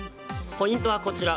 ポイントはこちら。